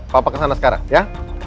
papa kesana sekarang ya